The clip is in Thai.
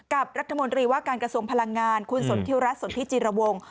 กับรัฐมนตรีว่าการกระทรวงพลังงานคุณสนธิรัตน์สนธิศจีนรวง